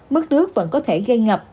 mức nước vẫn có thể gây ngập